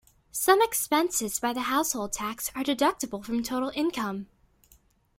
Some expenses by the household tax are deductible from total income.